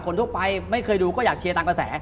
ทั่วไปไม่เคยดูก็อยากเชียร์ตามกระแส